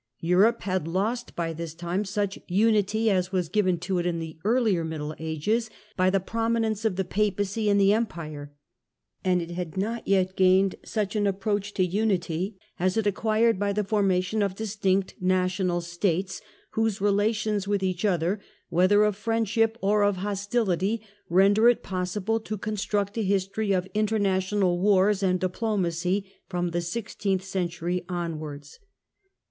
Europe had lost by this time ' ^0 such unity as was given to it in the earlier Middle Ages by the prominence of the Papacy and the ^^ Empire ; and it had not yet gained such an 'SJ approach to unity as it acquired by the forma ^ tion of distinct national states, whose relations ^ with each other, whether of friendship or of ^hostility, render it possible to construct a history of international wars and diplomacy from the sixteenth century onwards.